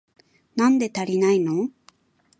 なんで足りないの？